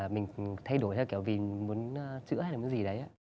mình thay đổi theo kiểu vì muốn chữa hay là muốn gì đấy